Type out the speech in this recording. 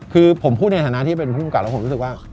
คือผมพูดในฐานะที่เป็นผู้กำกับแล้วผมรู้สึกว่า